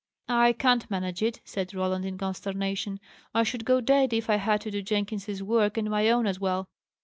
"I can't manage it," said Roland, in consternation. "I should go dead, if I had to do Jenkins's work, and my own as well."